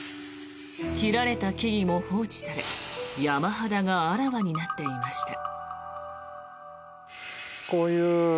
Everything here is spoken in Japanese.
切られた木々も放置され山肌があらわになっていました。